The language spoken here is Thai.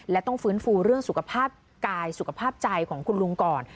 และต้องฟื้นฟูเรื่องสุขภาพกายสุขภาพใจของคุณลุงก่อน